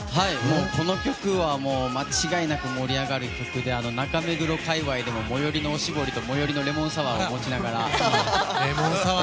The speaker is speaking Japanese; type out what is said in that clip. この曲は間違いなく盛り上がる曲で中目黒界隈でも最寄りのおしぼりと最寄りのレモンサワーを持ちながら。